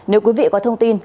nếu quý vị có thông tin